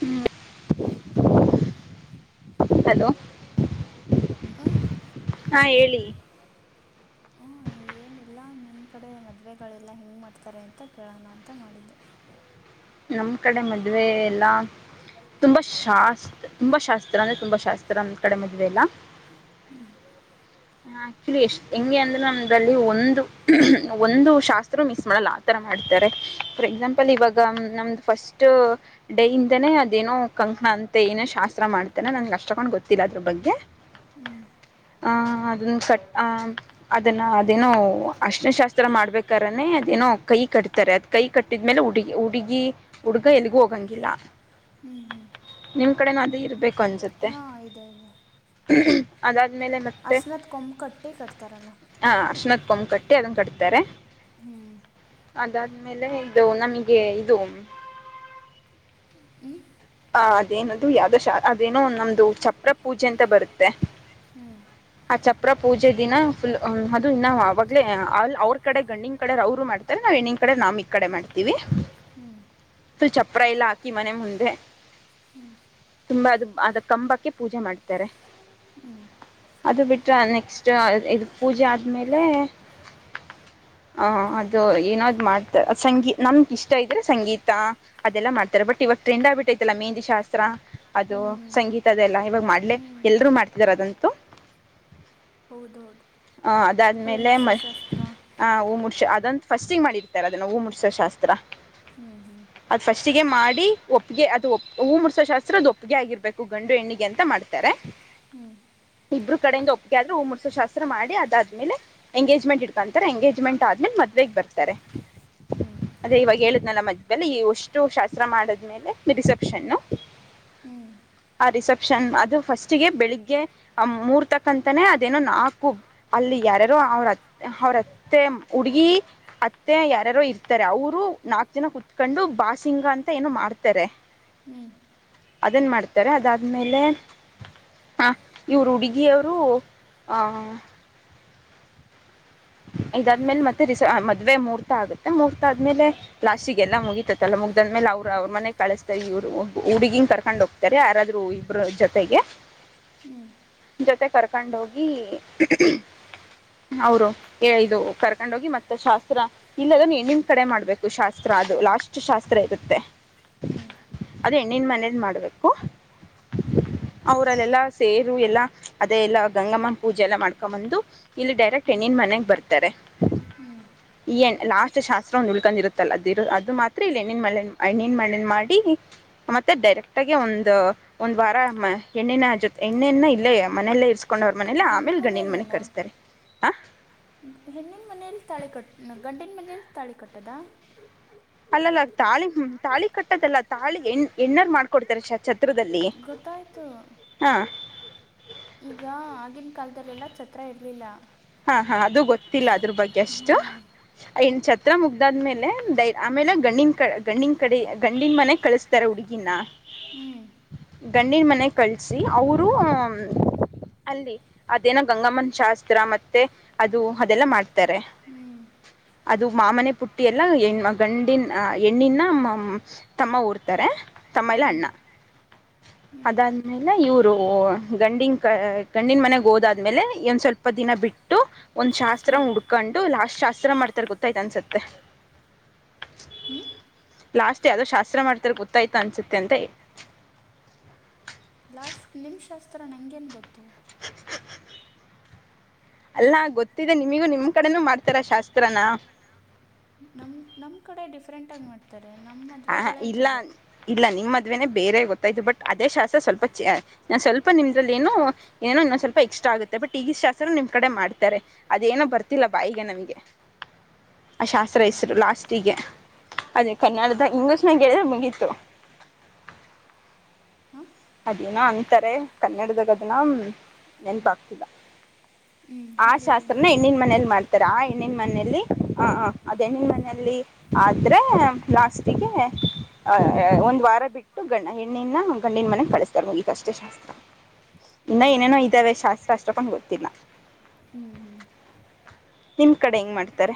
ಹ್ಮ ಹಲೋ ಹಾ ಹೇಳಿ ಎಲ್ಲ ನಿಮ್ಮ ಕಡೆ ಮದುವೆಗಳೆಲ್ಲ ಹೆಂಗ್ ಮಾಡ್ತಾರೆ ಅಂತ ಕೇಳೋಣ ಅಂತ ಮಾಡಿದ್ದೆ ನಮ್ ಕಡೆ ಮದ್ವೆ ಎಲ್ಲಾ ತುಂಬಾ ಶಾಸ್ತ ತುಂಬಾ ಶಾಸ್ತ್ರ ಅಂದ್ರೆ ತುಂಬಾ ಶಾಸ್ತ್ರ ನಮ್ ಕಡೆ ಮದುವೆ ಎಲ್ಲ ಹ್ಮ್ ಆಕ್ಚುಲಿ ಎಷ್ಟ ಹೆಂಗೆ ಅಂದ್ರೆ ನಮದ್ರಲ್ಲಿ ಒಂದು ಒಂದು ಶಾಸ್ತ್ರ ಮಿಸ್ ಮಾಡಲ್ಲ ಆತರ ಮಾಡ್ತಾರೆ ಫಾರ್ ಎಕ್ಸಾಂಪಲ್ ಇವಾಗ ನಮ್ದ ಫಸ್ಟ್ ಡೇ ಇಂದನೆ ಅದೇನೋ ಕಣ ಅಂತೆ ಏನೇ ಶಾಸ್ತ್ರ ಮಾಡ್ತೇನೆ ನಂಗೆ ಅಷ್ಟ ತೊಕೊಂಡ್ ಗೊತ್ತಿಲ್ಲ ಅದ್ರ ಬಗ್ಗೆ ಹ್ಮ್ ಹ ಅದ ಅದನ್ನ ಅದೇನೋ ಹರ್ಶನ ಶಾಸ್ತ್ರ ಮಾಡ್ಬೇಕಾರೇನೆ ಅದೇನೋ ಕೈ ಕಟ್ತಾರೆ ಅದ್ ಕೈ ಕಟ್ಟಿದ್ಮೇಲೆ ಹುಡುಗಿ ಹುಡುಗಿ ಹುಡ್ಗ ಎಲ್ಲಿಗೂ ಹೋಗಂಗಿಲ್ಲ ಹ್ಮ್ ನಿಮ್ ಕಡೆನು ಅದೇ ಇರ್ಬೇಕು ಅನ್ಸುತ್ತೆ ಹಾ ಇದೆ ಇದೆ ಅದಾದ್ಮೇಲೆ ಮತ್ತೆ ಹರ್ಶನದ ಕೊಂಬ ಕಟ್ಟೆ ಕಟ್ತಾರಲ್ಲ ಹ ಅರ್ಶಿನದ್ ಕೊಂಬ್ ಕಟ್ಟಿ ಅದನ್ನ ಕಟ್ತಾರೆ ಹ್ಮ್ ಅದಾದ್ಮೇಲೆ ಇದು ನಮಿಗೆ ಇದು ಹ್ಞೂ ಹ ಅದೇನದು ಯಾವ್ದೋ ಶ ಅದೇನೋ ನಮ್ದು ಚಪ್ರ ಪೂಜೆ ಅಂತ ಬರುತ್ತೆ ಹ [inaudible] ಆ ಚಪ್ರ ಪೂಜೆ ದಿನ ಫುಲ್ ಅದು ಇನ್ನ ಅವಾಗಲೇ ಅ ಅವ್ರ ಕಡೆ ಗಂಡಿನ್ ಕಡೆ ಅವ್ರು ಮಾಡ್ತಾರೆ ನಾವ್ ಹೆಣ್ಣಿನ್ ಕಡೆ ನಾಮ್ ಈ ಕಡೆ ಮಾಡ್ತೀವಿ ಹ್ಮ್ ಫುಲ್ ಚಪ್ರ ಎಲ್ಲ ಹಾಕಿ ಮನೆ ಮುಂದೆ ಹ್ಞೂ ತುಂಬಾ ಅದು ಅದ ಕಂಬಕ್ಕೆ ಪೂಜೆ ಮಾಡ್ತಾರೆ ಹ್ಞೂ ಹ್ಞೂ ಅದು ಬಿಟ್ರ ನೆಕ್ಸ್ಟ್ ಇದು ಪೂಜೆ ಆದ್ಮೇಲೆ ಹ ಅದು ಏನೋ ಅದ್ ಮಾಡ್ತರೆ ಸಂಗೀ ನಮ್ಗೆ ಇಷ್ಟ ಇದ್ರೆ ಸಂಗೀತ ಅದೆಲ್ಲ ಮಾಡ್ತಾರೆ ಬಟ್ ಇವಾಗ್ ಟ್ರೆಂಡ್ ಆಗ್ಬಿಟ್ಟತೆ ಎಲ್ಲ ಮೆಹಂದಿ ಶಾಸ್ತ್ರ ಅದು ಹ್ಞೂ ಸಂಗೀತ ಅದೆ ಎಲ್ಲ ಇವಾಗ ಹ್ಞೂ ಮಾಡ್ಲೆೇ ಹ್ಞೂ ಎಲ್ಲರೂ ಮಾಡ್ತಿದ್ದಾರೆ ಅದಂತು ತ್ತು ಹೌದೌದು ಹ ಹೂ ಅದಾದ್ಮೇಲೆ ಮುಡ್ಸೋ ಮ ಶಾಸ್ತ್ರ ಹ ಹೂ ಮುಡ್ಸೋ ಫಸ್ಟಿಗೆ ಮಾಡಿರ್ತಾರೆದುನ್ನ ಹೂ ಮೊಡ್ಸೋ ಶಾಸ್ತ್ರ ಹ್ಮ್ ಹ್ಮ್ ಚ್ಚಿಗೆ ಮಾಡಿ ಒಪ್ಪಿಗೆ ಅದು ಹೂ ಮುಡಸೋ ಶಾಸ್ತ್ರ ಅದು ಒಪ್ಪಿಗೆ ಆಗಿರ್ಬೇಕು ಗಂಡು ಹೆಣ್ಣಿಗೆ ಅಂತ ಮಾಡ್ತಾರೆ ಹ್ಮ್ ಇಬ್ಬರು ಕಡೆಹಿಂದ ಒಪ್ಪಿಗೆ ಆದ್ರೆ ಹೂ ಮೊಡ್ಸೋ ಶಾಸ್ತ್ರ ಮಾಡಿ ಅದಾದ್ಮೇಲೆ ಎಂಗೇಜ್ಮೆಂಟ್ ಇಡ್ಕೊಂತಾರೆ ಎಂಗೇಜ್ಮೆಟ್ ಆದ್ಮೇಲೆ ಮದ್ವೆ ಬರ್ತಾರೆ ಹ್ಞೂ ಅದೇ ಇವಾಗ ಹೇಳಿದ್ನಲ್ಲ ಮದ್ಯದಲ್ಲಿ ಈ ಒಷ್ಟು ಶಾಸ್ತ್ರ ಮಾಡದ್ಮೇಲೆ ಮತ್ತೆ ರಿಸೆಪ್ಷನ್ನು ಹ್ಮ್ ರಿಸೆಪ್ಷನ್ ಅದು ಫಸ್ಟ್ಗೆ ಬೆಳಿಗ್ಗೆ ಮುಹೂರ್ತಕ್ಕಂತಾನೇ ಅದೇನೋ ನಾಲ್ಕು ಅಲ್ಲಿ ಯ ಯಾರ್ಯಾರೋ ಅವ್ರ ಅವ್ರತ್ತೆ ಹುಡುಗಿ ಅತ್ತೆ ಯಾರ್ಯಾರೋ ಇರ್ತಾರೆ ಅವರು ನಾ ಜನ ಕುತ್ಕೊಂಡು ಬಾಸಿಂಗ ಅಂತ ಏನೋ ಮಾಡ್ತಾರೆ ಹ್ಮ್ ಅದುನ್ ಮಾಡ್ತಾರೆ ಅದಾದಮೇಲೆ ಹಾ ಇವ್ರು ಹುಡುಗಿಯವರು ಆ ಹ [inaudible] ಇದಾದ್ಮೇಲೆ ಮತ್ತೆ ರಿಸ ಮದ್ವೆ ಮುಹರ್ತ ಆಗುತ್ತೆ ಮುಹರ್ತ ಆದ್ಮೇಲೆ ಲಾಸ್ಟಿಗ್ ಎಲ್ಲ ಮುಗಿತತಲ್ಲ ಮುಗ್ದಾದ್ಮೇಲೆ ಅವರು ಅವ್ರ ಮನೆ ಕಳಿಸದೇ ಇವರು ಹುಡುಗಿನ್ ಕರ್ಕೊಂಡ್ ಹೋಗ್ತಾರೆ ಯಾರಾದ್ರು ಇಬ್ರ ಜೊತೆಗೆ ಹ್ಮ್ ಜೊತೆ ಕರ್ಕೊಂಡ ಹೋಗಿ ಅವರು, ಇದು ಕರ್ಕೊಂಡ ಹೋಗಿ ಮತ್ತೆ ಶಾಸ್ತ್ರ ಇಲ್ಲದನ್ನು ಹೆಣ್ಣಿನ ಕಡೆ ಮಾಡ್ಬೇಕು ಶಾಸ್ತ್ರ ಅದು. ಲಾಸ್ಟ್ ಶಾಸ್ತ್ರ, ತ್ರ ಇರುತ್ತೆ. ಹ್ಮ್. ಅದ ಹಹೆಣ್ಣಿನ ಮನೇಲಿ ಮಾಡ್ಬೇಕು. ಹ್ಮ್. ಅವರಲ್ಲೆಲ್ಲಾ ಸೇರು ಎಲ್ಲಾ ಅದೇ ಎಲ್ಲಾ ಗಂಗಮ್ಮನ ಪೂಜೆ ಎಲ್ಲ ಮಾಡ್ಕೊಂಡ ಬಂದು, ಇಲ್ಲಿ ಡೈರೆಕ್ಟ್ ಹೆಣ್ಣಿನ ಮನೆಗ್ ಬರ್ತಾರೆ. ಹ್ಮ್. ಏನ್ ಲಾಸ್ಟ್ ಶಾಸ್ತ್ರ ಒಂದು ಉಳ್ಕೊಂಡಿರುತ್ತಲ್ಲ ಅದ ಇ ಅದು ಮಾತ್ರ ಇಲ್ಲಿ ಎಣ್ಣಿನ ಮಳೆ ಹೆಣ್ಣಿನ ಮಳೆನ್ ಮಾಡಿ. ಮತ್ತೆ ಡೈರೆಕ್ಟ್ ಆಗಿ ಒಂದು ಒಂದ್ ವಾರ ಹೆಣ್ಣಿನ ಜೊ ಹೆನ್ನಿನ್ ಇಲ್ಲೇ ಮನೆಯಲ್ಲೇ ಇ ಕೊಂಡ್ರ ಮನೇಲಿ ಹೆಣ್ಣು ಆಮೇಲೆ ಗಂಡಿನ ಮನೆ ಮನೆಯಲ್ಲೇನಾ ಕರೆಸ್ತಾರೆ ಹ. ಹೆಣ್ಣಿನ ಮನೆಯಲ್ಲಿ ತಾಳಿ ಕಟ್ಟ ಗಂಡಿನ ಮನೇಲಿ ತಾಳಿ ಕಟ್ಟದಾ. ಅಲ್ಲಲ್ಲಾ ತಾಳಿ ಹ್ಮ್ ತಾಳಿ ಕಟ್ಟದಲ್ಲ ತಾಳಿ ಎಣ್ಣ ಎಣ್ಣಾರ್ ಮಾಡ್ಕೊಡ್ತಾರೆ. ಚ ಗೊತ್ತಾಯ್ತು. ಈಗ ಆಗಿನ ಕಾಲದಲ್ಲೆಲ್ಲ, ಚತ್ರ ಇರಲಿಲ್ಲ. ಹಾ ಹಾ ಅದು ಗೊತ್ತಿಲ್ಲ ಸ ಅದ್ರ ಬಗ್ಗೆ ಅಷ್ಟು. ಹ್ಞೂ ಇನ್ ಚ ಶಾಸ್ತ್ರ ಮುಗ್ದಾದ್ಮೇಲೆ ಆಮೇಲೆ ಗಂಡಿನ ಕ ಗಂಡಿನ್ ಕಡೆ ಗಂಡಿನ ಮನೆ ಕಳಿಸ್ತಾರೆ ಹುಡ್ಗಿನ. ಹ್ಮ್. ಗಂಡಿನ ಮನೆಗ ಕಳಿಸಿ ಅವರು, ಅಲ್ಲಿ ಅದೇನೋ ಗಂಗಮ್ಮನ್ ಶಾಸ್ತ್ರ, ಮತ ತೆ ಅದು ಅದೆಲ್ಲ ಮಾಡ್ತಾರೆ. ಹ್ಞೂ ಅದು, ಮಾಮನೆ ಪುಟ್ಟಿ ಎಲ್ಲಾ ಹೆಣ ಗಂಡಿನ ಹೇಣ್ಣಿನ ತಮ್ಮ ಊರ್ತಾರೆ. ತಮ್ಮಇಲ್ಲ ಹ್ಞೂ ಅಣ್ಣ. ಹ್ಞೂ ಅದಾದ್ಮೇಲೆ ಇವ್ರು ಗಂಡಿನ್ ಕ ಗಂಡಿನ ಮನೆಗೆ ಹೋದಾದ್ಮೇಲೆ, ಇಂದ್ ಸ್ವಲ್ಪ ದಿನ ಬಿ ಒಂದ್ ಶಾಸ್ತ್ರ ಹುಡ್ಕೊಂಡು ಲಾಸ್ಟ್ ಶಾಸ್ತ್ರ ಮಾಡ್ತಾರೆ ಗೊತ್ತಾಯ್ತು ಅನ್ಸತ್ತೆ. ಹ್ಞೂ ಲಾಸ್ಟ್ ಯಾವ್ದೋ ಶಾಸ್ತ್ರ ಮಾಡ್ತಾರೆ ಗೊತ್ತಾಯ್ತ ಅನ್ಸುತ್ತೆ ಅಂತ, ಏ [inaudible] ಲಾಸ್ಟ್ ನಿಮ್ಮ ಶಾಸ್ತ್ರ ನಂಗೇನ್ ಗೊತ್ತು. ಅಲ್ಲಾ ಗೊತ್ತಿದೆ ನಿಮಿಗೂ ನಿಮ್ ಕಡೆನೂ ಮಾಡ್ತಾರ ಶಾಸ್ತ್ರನಾ. ನಮ್ ನಮ್ ಕಡೆ ಡಿಫ್ರೆಂಟ್ ಆಗಿ ಮಾಡ್ತಾರೆ. ನಮ್ಮ ಹ ಹ ಮದುವೆಗಳೇ ಇಲ್ಲ ಬೇರೆ ಇಲ್ಲ ನಿಮ್ಮ, ಬೇರೆ ಗೊತ್ತಾಯ್ತು ಬಟ್ ಅದೇ ಶಾಸ್ತ್ರ ಸ್ವಲ್ಪ ಸ್ವಲ್ಪ ನಿಮ್ದಲ್ಲಿ ಏನು ಸ್ವಲ್ಪ ಎಕ್ಸ್ ಆಗುತ್ತೆ ಬಟ್ ಈಗ ಶಾಸ್ತ್ರ ನಿಮ್ ಕಡೆ ಮಾಡ್ತಾರೆ. ಅದೇನೋ ಬರ್ತಿಲ್ಲ ಬಾಯಿಗೆ ನನಗೆ. ಆ ಶಾಸ್ತ್ರ ಹೌದಾ ಹೆಸರು ಹಾಂ ಲಾಸ್ಟಿಗೆ ಅದೇ ಕರ್ ನಾ ಇಂಗ್ಲಿಷ್ನಗ ಹೇಳಿದ್ರೆ ಮುಗೀತು. ಅದೇನ ಅಂತಾರೆ ಕನ್ನಡದಾಗ ಅದನ್ನ, ನೆನ್ಪ ಆಗ್ತಿಲ್ಲ. ಹ್ಞೂ ಆ ಹೇಳಿ ಏನು ಶಾಸ್ತ್ರನ ಹೆಣ್ಣಿನ ಮನೇಲಿ ಮಾಡ್ತ ರ ಆ ಹೆಣ್ಣಿನ ಮನೆಯಲ್ಲಿ ಹ ಅದ್ ಹೆಣ್ಣಿನ ಮನೆಯಲ್ಲಿ ಆದ್ರೆ ಲಾಸ್ಟಿಗೆ, ಹ್ಞೂ ಒಂದ್ ವಾರ ಬಿಟ್ಟು ಗಂಡ ಹೆಣ್ಣಿನ ಗಂಡಿನ ಮನೆ, ಕಳಸ್ತಾರೆ ಮುಗೀತು ಅಷ್ಟೇ ಶಾಸ್ತ್ರ. ಓ ಇನ್ನ ಏನೇನೋ ಹೌದಾ ಇದ್ದಾವೆ ಶಾಸ್ತ್ರಾಆಸ್ಟ್ಕೊಂದು ಗೊತ್ತಿಲ್ಲ. ಹ್ಞೂ ಹ್ಞೂ ನಿಮ್ಮ ಕಡೆ ಹೆಂಗ ಮಾಡ್ತಾರೆ.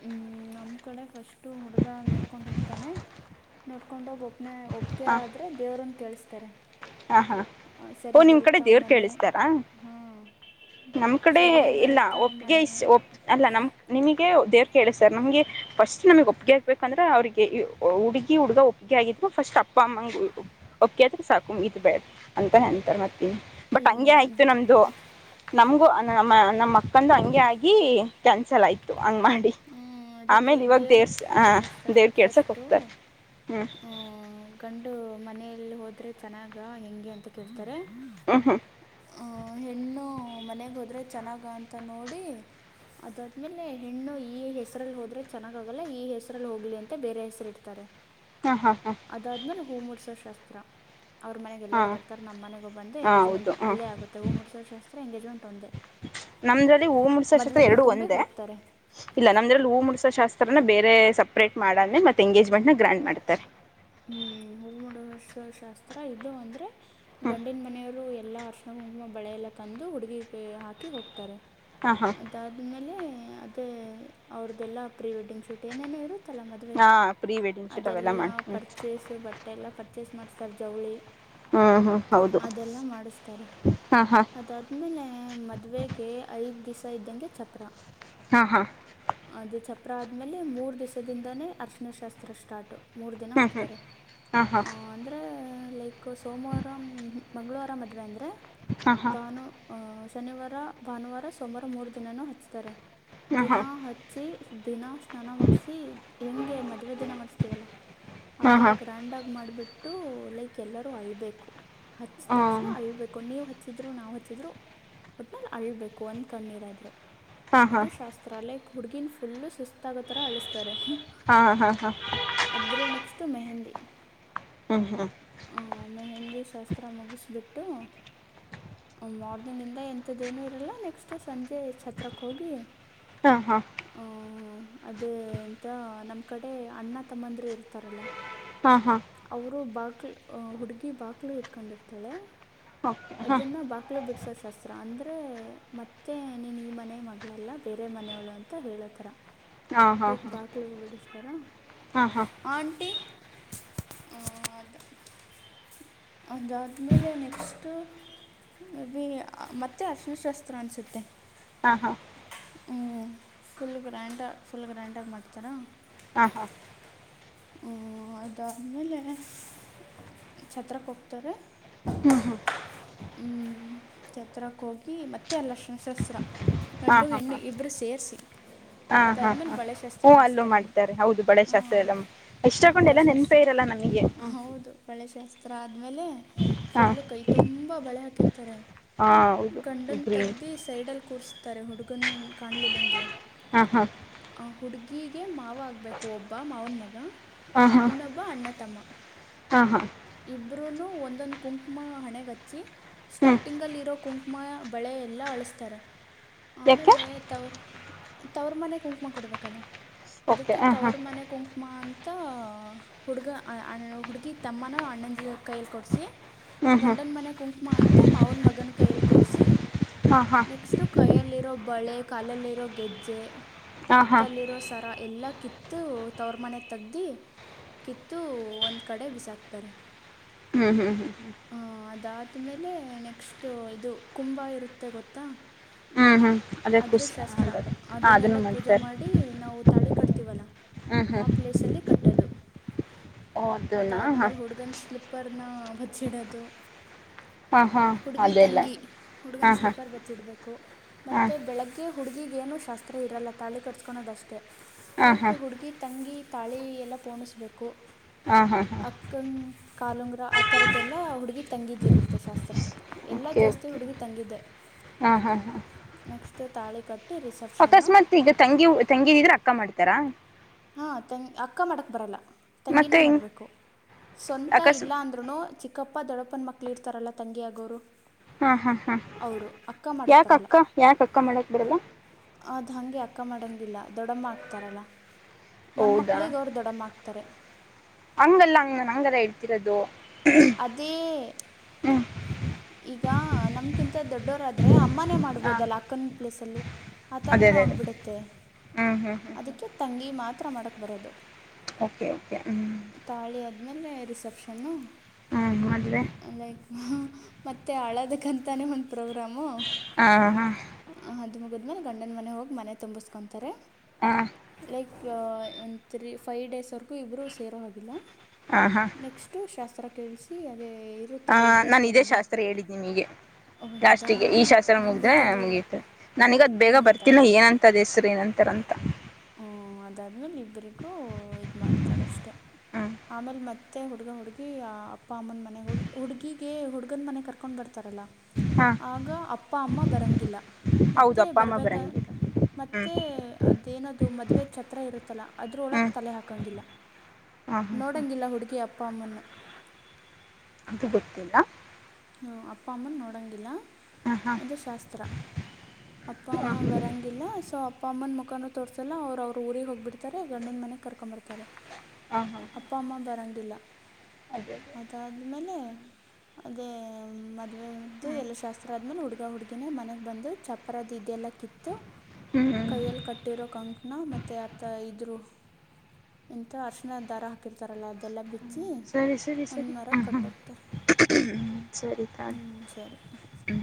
ಹ್ಮ ನಮ್ಮ ಕಡೆ ಫಸ್ಟು ಹುಡುಗ ನೋಡ್ಕೊಂಡು ಹೋಗ್ತಾನೆ. ನೋಡ್ಕೊಂಡೋಗಿ, ಹೋಗ್ತ ಒಪ್ಪಕೆ ಆದ್ರೆ ದೇವ್ರನ್ ಕೇಳಸ್ತಾರೆ. ಹಾ ಹಾ ಓ ನಿಮ್ ಕಡೆ ದೇವ್ರ ಮನೆ ಕೇಳಸ್ತಾರ. ಹಾಂ ನಮ್ಮ್ ಕಡೆ ಸರಿ ಇಲ್ಲ ಬರುತ್ತಾ ಒಪ್ಗೆ ಇ ಮನೆ ಒ ಅಲ್ಲ ನಮ ನಿಮಗೆ ದೇವ ಕೇಳಿ ಸರ್ ನಮ್ಗೆ ಫಸ್ಟ್ ನಮಗ್ ಒಪ್ಪಿಗೆ ಹಾಗ್ಬೇಕಂದ್ರೆ ಅವ್ರಿಗೆ ಹುಡುಗಿ ಹುಡುಗ ಒಪ್ಪಿಗೆ ಆಗಿದ್ ಫಸ್ಟ್ ಅಪ್ ಅಪ್ಪ ಅಮ್ಮಂಗ್ ಒಪ್ಪಗೆ ಆದ್ರೆ ಸಾಕು ಮುಗಿತು ಅದೇ ಹಂತಾರೆ. ಮತ್ತೆ, ಬಟ್ ಇಲ್ಲ ಹಂಗೆ ಆಯ್ತು. ನಮ್ದು ನಮಗೂ ನಮ್ಮ, ನಮ್ಮ, ಪಕಂದು ಹಂಗಗೆ ಆಗಿ ಕ್ಯಾನ್ಸಲ್ ಆಯ್ತು ಹಂಗ್ ಮಾಡಿ ಹ್ಮ್, ಅದಕ್ಕೆ ಆಮೇಲೆ ಇವಾಗ ದೇವ್ರ ದೇವ್ರ್ಸ್ ಕೇಳಸ್ತಾರೆ ದೇವ್ರು ಕೇಳ್ಸಕ್ಕೆ ಫಸ್ಟು ಹೋಗ್ತಾರೆ ಹ್ಞೂ ಗಂ ಮನೆಯಲ್ಲಿ ಹೋದ್ರೆ ಚೆನ್ನಾಗ ಹೆಂಗೆ ಅಂತ ಕೇಳ್ತಾರೆ ಹ್ಮ ಹ್ಮ ಹೆಣ್ಣು ಮನೆಗೆ ಹೋದ್ರೆ ಚೆನ್ನಾಗ ಅಂತ ನೋಡಿ ಅದಾದ್ಮೇಲೆ ಹೆಣ್ಣು ಈ ಹೆಸರಲ್ಲಿ ಹೋದ್ರೆ ಚೆನ್ನಾಗ ಆಗಲ್ಲ ಈ ಹೆಸರಲ್ಲಿ ಹೋಗ್ಲಿ ಅಂತ ಬೇರೆ ಹೆಸರು ಇಡ್ತಾರೆ ಹ್ಮ ಹಾ ಹಾ ಹೂಮೂಡ್ಸವ ಶಾಸ್ತ್ರ ಅವ್ರ ಮನೆಗೆ ಹಾಂ ಎಲ್ಲರೂ ಹಾಂ ಬರ್ತಾರೆ ನಮ್ಮ ಮನೆಗೆೋಗ ಹೌದು ಬಂದುಂಗೇಜ್ಮೆಂಟ್ ಹ್ಞೂ ಅಲ್ಲೇ ಆಗುತ್ತೆ ಹೂ ಮೂರು ಸಾವರ ಶಾಸ್ತ್ರ ಎಂಗೇಜ್ಮೆಂಟ್ ಒಂದೇ ನಮ್ದ್ರಲ್ಲಿ ಹೂ ಮೂರುಸಕ್ಷೇತ್ರ ಮಡ್ಲಕ್ಕಿ ಎರಡು ತುಂಬಿ ಒಂದೇ ಹೋಗ್ತಾರೆ ಇಲ್ಲ ನಮ್ದಲ್ಲಿ ಹೂ ಮುಿಸಸ ಶಾಸ್ತ್ರನ ಬೇರೆ ಸಪರೇಟ್ ಮಾಡೆ ಮೆ ಎಂಗೇಜ್ಮೆಂಟ್ ನ ಗ್ರಾಂಡ್ ಮಾಡ್ತಾರೆ ಹ್ಮ್ ಹೂಮಡ ಶಾಸ್ತ್ರ ಇದು ಅಂದ್ರೆ ಹ್ಞೂ ಗಂಡಿನ ಮನೆಯವ್ರು ಎಲ್ಲಾ ಅರ್ಶಣ ಕುಂಕಮ ಬೆಳೆಲ್ಲಾ ತಂದು ಹುಡುಗಿ ಹಾಕಿ ಹೋಗ್ತಾರೆ ಹಾಂ ಹಾಂ ಅದಾದ್ಮೇಲೆ ಅದೇ ಅವ್ರ್ದೆಲ್ಲಾ ಪ್ರೀ ವೆಡ್ಡಿಂಗ್ ಶೂಟ್ ಏನೇನ ಇರುತ್ತೆ ಹಾ ಪ್ರೀ ವೆಡ್ಡಿಂಗ್ ಶೂಟ್ ಅವೆಲ್ಲ ಮಾಡ ಪರ್ಚೇಸು ಬಟ್ಟೆ ಎಲ್ಲ ಪರ್ಚೇಸ್ ಮಾಡ್ಿಸ್ತಾರೆ ಜವಳಿ ಹ್ಮ ಹಾ ಅದೆಲ್ಲ ಮಾಡಿಸ್ತಾರೆ ಹಾಂ ಅದಾದ್ಮೇಲೆ ಮದ್ವೆೆಗೆ ಐದ್ ದ್ ಸ ಇದ್ದಂಗೆ ಚಪ್ರಾ ಹಾ ಹಾ ಅದು ಚಪ್ರ ಆದ್ಮೇಲೆ ಮೂರ್ ದಿವಸದಿಂದಾನೇ ಅರ್ಶನ ಶಾಸ್ತ್ರ ಸ್ಟಾರ್ಟು ಮೂರ್ ದಿನ ಹ್ಞೂ ಹ್ಞೂ ಮಾಡ್ತಾರೆ ಹಾಂ ಹಾಂ ಅಂದ್ರೆ ಲೈಕ್ ಸೋಮವಾರ ಮಂ್ಗಳವಾರ ಮದ್ೆ ಅಂದ್ರೆ ಹಾಂ ಹಾಂ ಭಾನ ಶನಿವಾರ ಭಾನುವಾರ ಸೋಮವಾರ ಮೂರು ದಿನನೂ ಹಚ್ಚುತ್ತಾರೆ ದಿನ ಹಚ್ಚಿ ದಿನ ಸ್ನಾನ ಮಾಡಿಸಿ ಹೆೇಂಗೆ ಮದುವೆ ದಿನ ಮಾಡಿಸ್ತೀವಲ್ಲ ಆ ಹಾಂ ಹಾಂ ಹಾಂ ಹಾಂ ಥರ ಗ್ರ್ಯಾಂಡಾಗಿ ಮಾಡಿಬಿಟ್ಟು ಲೈಕ್ ಎಲ್ಲರೂ ಅಳ್ಬೇಕು ಹಚ್ಚ ತಕ್ಷಣ ಅಳ್ಬೇಕು ನೀವು ಹ ಹಚ್ಚಿದ್ರು ನಾವು ಹಚ್ಚಿದ್ರು ಒಟ್ನಲ್ಲಿ ಅಳ್ಬೇಕು ಒಂದ್ ಕಣ್ಣೀರಾದ್ರು ಹಾಂ ಹಾಂ ಅದು ಶಾಸ್ತ್ರ ಲೈಕ್ ಹುಡುಗಿನ್ ಫುಲ್ಲು ಸುಸ್ತಾಗ ತರ ಅಳಿಸ್ತಾರೆ ಹಾಂ ಹಾಂ ಹಾಂ ಹಾಂ ಅದ್ರೆ ನೆಕ್ಸ್ಟ್ ಮೆಹಂದಿ ಹ್ಮ್ ಹ್ಮ್ ಮೆಹೆಂದಿ ಶಾಸ್ತ್ರ ಮುಗಿಸ್ಬಿಟ್ಟು ಮಾರ್ನಿಂಗ್ ಇಂದ ಎಂಂತದ ೇನು ಇರಲ್ಲ ನೆಕ್ಸ್ಟ್ ಸಂಜೆ ಛತ್ರಕ್ಕೆ ಹೋಗಿ ಹಾಂ ಹಾಂ ಹ್ಮ ಅದೆೇಂತ ನಮ್ ಕಡೆ ಅಣ್ಣ ತಮ್ಮಂದರು ಇರ್ತಾರಲ್ಲ ಹಾಂ ಹಾಂ ಅವರು ಬಾಗಲು ಹುಡ್ಗಿ ಬಾಗಕ್ಲು ಇಟ್ಕೊಂಡಿರ್ತಾಳೆ ಓಕೆ ಹಾಂ ಅದನ್ನ ಬಾಕ್ಲೆ ಬಿಡ್ಸಷ್ಟ ಶಸ್ತ್ರ ಅಂದ್ರೆ ಮತ್ತೆ ನೀನು ಈ ಮನೆ ಮಗಳಲ್ಲ ಬೇರೆ ಮನೆಯವಳು ಅಂತ ಹೇಳತರ ಹಾಂ ಲೈಕ್ ಹಾಂ ಬಾಕಲು ಬಿಡಿಸ್ಾರಾ ಹಾಂ ಹಾಂ ಆಂಟಿ [inaudible] ಅದಾದ್ಮೇಲೆ ನೆಕ್ಸ್ಟ್ ಬಿ ಮತ್ತೆ ಅಶನಶಾಸ್ತ್ರ ಅನ್ಸುತ್ತೆ ಹಾ ಹಾ ಹ್ಞೂ ಫುಲ್ ಗ್ರ್ಯಾಂಡ ಫುಲ್ ಗ್ರ್ಯಾಂಡಾಗಿ ಮಾಡ್ತಾರಾ ಹಾ ಹಾ ಹ್ಮ್ ಅದಾದ್ಮೇಲೆ ಛತ್ರಕ್ಕೆ ಹೋಗ್ತಾರೆ ಹ್ಮ್ ಹ್ಮ್ ಹ್ಮಞ ಚ ಹತ್ರಿರಕ್ಕೆ ಹೋಗಿ ಮತ್ತೆ ಅಲ್ಲಕ್ಷಣ ಶಸ್ತ್ರ ಗಂಡು ಹೆಣ್ಣು ಇಬ್ರು ಸೇರಿಸಿ ಹಾ ಹಾ ಅದಾದಮೇಲೆ ಹಾ ಬಳೆ ಶಾಸ್ತ್ರ ಹ್ ಅಲ್ಲೂ ಮಾಡಿಸ್ತಾರೆ ಮಾಡಿದ್ದಾರೆ ಹೌದು ಬಳೆ ಶಾಸ್ತ್ರ ಹಾಂ ಎಲ್ಲ ಬಳೆ ಇಷ್ಟಕೊಂಡೆಲ್ಲ ನೆನ್ಪೆ ಶಾಸ್ತ್ರ ಇರಲ್ಲ ನಮಗೆ ಹ್ಮ ಹರ ಆದ್ಮೇಲೆ ಫುಲ್ಲು ಕೈ ತುಂಬ ಬಳೆ ಹಾಕಿರ್ತಾರೆ ಹಾ ಹೌದು ಇಬ್ಬರಿ ತಾರೆ ಹುಡುಗನ್ ಕಾಣಲಿಲ್ಲಂಗೆ. ಹಾ ಹಾ ಹೀಗೆ ಮಾವ ಆಗ್ಬೇಕು ಒಬ್ಬ ಮಾವನ ಮಗ ಹಾ ಹಾ ಇನ್ನೊಬ್ಬ ಅಣ್ಣ ತಮ್ಮ. ಹಾ ಹಾ ಇಬ್ರೂನು ಒಂದೊಂದು ಕುಂಕುಮ ಹಣೆಗಚ್ಚಿ ಹ್ಞೂ ಸ್ಟಾರ್ಟಿಂಗ್ ಅಲ್ಲಿ ಇರೋ ಕುಂಕುಮ ಬೆಳೆ ಎಲ್ಲ ಅಳಸ. [inaudible] ಯಾಕೆ ಆಮೇಲೆ ತವ್ರ ತವ್ರ ಮನೆ ಕುಂಕುಮ ಕೊಡ್ಬೇಕಲ್ಲ. ಓಕೆ ಅದಕ್ಕೆ ಹಾಂ ಹಾಂ ತವರ್ ಮನೆ ಕುಂಕುಮ ಅಂತ. ಮತ್ತುಂತ ಹುಡುಗ ಅಣ್ಣ ಹುಡುಗಿ ತಮ್ಮನ ಅಣ್ಣನಂದ ಕೈಯಲ್ಲಿ ಕೊಡಿಸಿ. ಹ್ಞೂ ಹ್ಞೂ ಗಂಡನ ಮನೆ ಕುಂಕುಮಾ ಅಂತ ಮಾವನ ಮಗನ ಕೈಯಲ್ಲಿ ಕೊಡ್ಸಿ. ಹಾಂ ಹಾಂ ನೆಕ್ಸ್ಟು ಕೈಯಲ್ಲಿರೋ ಬಳೆ ಕಾಲಲ್ಲಿರೋ ಗೆಜ್ಜೆ. ಹಾಂ ಹಾಂ ಕತ್ತಲ್ಲಿರೋ ಸರ ಎಲ್ಲಾ ಕಿತ್ತು ತವರ್ ಮನೆ. ತಗ್ದಿ ಕಿತ್ತು ಒಂದು ಕಡೆ ಬಿಸಾಕ್ತಾರೆ. ಹ್ಮ್ ಹ್ಮ್ ಹ್ಮ್. ಹಾ ಅದಾದ್ಮೇಲೆ ನೆಕ್ಸ್ಟ್ ಇದು ಕುಂಭ ಇರುತ್ತೆ ಗೊತ್ತಾ. ಹ್ಮ್ ಹ್ಮ್ ಅದರ ಅದೇಖಸ್ ಶಾಸ್ತ್ರ ಹೌದ ಹ ಅದನ್ನು ಅದನ್ನೆಲ್ಲ ಪೂಜೆ ಮಾಡ್ತಾರೆ. ಮಾಡಿ ನಾವು ತಾಳಿ ಕಟ್ತೀವಲ್ಲ ಹ್ಞೂ ಹ್ಞೂ ಆ ಪ್ಲೇಸಲ್ಲಿ ಕಟ್ಟೋದು. [inaudible] ದುನಾ. ನ್ನ ಬಚ್ಚಿಡೋದು. ಹಾಂ ಹಾಂ ಹುಡ್ಗಿ ಅದೆಲ್ಲ ತಂಗಿ ಹುಡ್ಗನ್ ಹಾಂ ಹಾಂ ಸ್ಲಿಪರ್ ಬಚ್ಚಿಡ್ಬೇಕು. ಹಾಂ ಮತ್ತೆ ಬೆಳಗ್ಗೆ ಹುಡುಗಿಗ ಏನು ಶಾಸ್ತ್ರ ಇರಲ್ಲ ತಾಳಿ ಕಟ್ಸ್ಕೊಳೋದಷ್ಟೇ. ಹಾಂ ಬಟ್ ಹಾಂ ಹುಡುಗಿ ತಂಗಿ ತಾಳಿ ಎಲ್ಲ ಪೋಣಿಸ್ಬೇಕು. ಹಾಂ ಹಾಂ ಹಾಂ ಅಕ್ಕನ್ ಕಾಲುಂಗ್ರ ಆ ತರದ್ದೆಲ್ಲಾ ಹುಡುಗಿ ತಂಗಿದಿರುತ್ತೆ ಶಾಸ್ತ್ರ. ಎಲ್ಲಾ ಜಾಸ್ತಿ ಹುಡುಗಿ ತಂಗಿದ್ದೆ. ಹಾ ಹಾ ಹಾ ತಾಳೆ ಕಟ್ಟ ಅಕಸ್ಮಾತ್ ಈಗ ತಂಗಿ ತಂಗಿ ಇದ್ರೆ ಅಕ್ಕ ಮಾಡ್ತಾರ. ಹಾ ತನ್ ಅಕ್ಕ ಮಾಡಕ್ ಬರಲ್ಲ. ಮತ್ತೆ ತಂಗಿನೇ ಹೆಂಗ್ ಮಾಡ್ಬೇಕು ಸ್ವಂತ ಅಕಸ್ಮ ಇಲ್ಲ ಅಂದ್ರೂನು ಚಿ. ಈಗಪ್ಪ ದಡಪ್ಪನ ಮಕ್ಕಳು ಇರ್ತಾರಲ್ಲ ತಂಗಿಯಾಗೋರು. ಹಾ ಹಾ ಹಾ ಯಾಕ ಬರಲ್ಲ ಅಕ್ಕ ಯಾಕಕ್ಕ ಮಾಡಕ್ ಬಿಡಲ್ಲ. ಅದು ಹಂಗೆ ಅಕ್ಕ ಮಾಡಂಗಿಲ್ಲ ದೊಡ್ಡಮ್ಮ ಆಗ್ತಾರಲ್ಲ. ನಮ್ಮ ಹೌದಾ ಮಕ್ಳಿಗೆ ಅವ್ರು ದೊಡ್ಡಮ್ಮ ಆಗ್ತಾರೆ ಹಂಗಲ್ಲ ಹಂಗ ನನ್ ಹಂಗಾರ ಇಡ್ತಿರೋದು. ಅದೇ ಈಗ ನಮ್ಕಿಂತ ದೊಡ್ಡೋರಾದ್ರೆ ಅಮ್ಮಾನೇ ಮಾಡ್ಬೋದಲ್ಲ ಅಕ್ಕನ ಪ್ಲೇಸ್ ಅಲ್ಲಿ. ಆ ಅದೇ ಥರನೂ ಅದೇ ಅದೇ ಆಗ್ಬಿಡುತ್ತೆ ಹ್ಮ್ ಹ್ಮ್ ಹ್ಮ್ ಹ್ಮ್ ಅದಕ್ಕೆ ತಂಗಿ ಮಾತ್ರ ಮಾಡಕ್ಕೆ ಬರೋದು ಓಕೆ ಓಕೆ ಹೂ. ಆಮೇಲೆ ರಿಸೆಪ್ಷನ್ನು. ಮದುವೆ. ಹ ಮತ್ತೆ ಆಳೋದಕ್ಕಂತಾನೇ ಒಂದು ಪ್ರೋಗ್ರಾಮು. ಹಾ ಹಾ ಅದು ಮುಗಿದ್ಮೇಲೆ ಗಂಡನ ಮನೆ ಹೋಗಿ ಮನೆ ತುಂಬಿಸ್ಕೊತಾರೆ. ಹಾ ಲೈಕ್ ಒಂದು ತ್ರೀ ಫೈವ್ ಡೇಸ್ವರೆಗೂ ಇಬ್ಬರು ಸೇರೋ ಆಗಿಲ್ಲ. ಹಾ ಹಾ ನೆಕ್ಸ್ಟ್ ಶಾಸ್ತ್ರ ಕೇಳಸಿ ಅದೇ. ಹ ಇರುತ್ತಲ್ಲ ಇಬ್ಬರು ನಾ ಇದೇ ಸೇರೋದು ಶಾಸ್ತ್ರ ಹೇಳಿದನ ನಿಮೀಗೆ. ಓಹ್ ಇದಾ ಲಾಸ್ಟಿಗೆ ಈ ಶಾಸ್ತ್ರ ನಂಗೆ ಮುಗ್ದ್ರೆ ಗೊತ್ತಾಗಲಿಲ್ಲ ಮುಗೀತೆ ನನಗದ್ ಬೇಗ ನಂಗೆ ಬರ್ತಿಲ್ಲ ಗೊತ್ತಾಗಲಿಲ್ಲ ಏನಂತ ಅದ್ ಹೆಸ್ರು ಏನಂತರ. ಅಂತ. [inaudible] ಹ್ಮ ಅದಾದ್ಮೇಲೆ ಇಬರಿಗೂ ಇದು ಮಾಡ್ತಾರ ಅಷ್ಟೆ. ಹ್ಮ್ ಆಮೇಲ್ ಮತ್ತೆ ಹುಡ್ಗ ಹುಡ್ಗಿ ಆ ಅಪ್ಪ ಅಮ್ಮನ ಮನೆ ಹೋಗಿ ಹುಡ್ಗಗ ಹುಡ್ಗನ್ ಮನೆ ಕರ್ಕೊಂಡ್ ಬರ್ತಾರಲ್ಲಾ. ಹಾ ಆಗ ಅಪ್ಪ ಅಮ್ಮ ಬರಂಗಿಲ್ಲ. ಹೌದು ಮತ್ತೆ ಅಪ್ಪ ಅಮ್ಮ ಬರ್ಬೇಕ ಬರಂಗಿಲ್ಲ ಹ್ಮ್ ಮತ್ತೆ. ಅೇನದು ಮದುವೆ ಛತ್ರ ಇರುತ್ತಲ್ಲ ಅದರ ಒಳಗೆ ಹ್ಮ್ ತಲೆ ಹಾಕಂಗಿಲ್ಲ ಹಾ ಹಾ ಹಾ ನೋಡಂಗಿಲ್ಲ ಹುಡುಗಿ ಅಪ್ಪ ಅಮ್ಮನ್ನ ಅದು ಗೊತ್ತಿಲ್ಲ ಅಪ್ಪ ಅಮ್ಮನ ನೋಡೋಂಗಿಲ್ಲ ಹಾ ಹಾ ಅಂದೇ ಶಾಸ್ತ್ರ ಅಪ್ಪ ಹಾ ಅಮ್ಮ ವರಂಗಿಲ್ಲ ಸೊ ಪಪ್ಪ ಅಮ್ಮನ ಮುಖಾರು ತೋರಿಸಸಲ್ಲ ಅವರು ಅವ್ರ ಊರಿಗೆ ಹೋಗಿಬಿಡ್ತಾರೆ ಗಂಡನ ಮನೆಗೆ ಕರ್ಕಬರ್ತಾರೆ ಹಾ ಅಪ್ಪ ಅಮ್ಮಾ ಬರಂಗಿಲ್ಲ ಅ ಆಮೇಲೆ ಅದೇ ಮದ್ವೆು ಹ್ಮ್ ಎಲ್ಲ ಶಾಸ್ತ್ರ ಆದ್ಮೇಲೆ ಹುಡ್ಗ ಹುಡ್ಗಿನೇ ಮನೆಗ್ ಬಂದು ಚಪ್ಪರದ ಇದೆಲ್ಲ ಕಿತ್ತು ಹ್ಮ್ ಕೈಯಲ್ಲಿ ಕಟ್ಟಿರೋ ಕಂಕಣ ಮತ್ತುತ್ತೆ ಆತ ಇದರು ಇಂತ ಅರ್ಶಿನ ದಾರ ಹಾಕಿರ್ತಾರಲ್ಲಾ ಅದೆಲ್ಲ ಬಿಟ್ಟ ಸರಿ ಸರಿ ಸರಿ ಹ ಹ ಹ್ಮ್ ಸರಿ ತನ್ ಹ್ಞೂ ಸರಿ ಹ್ಮ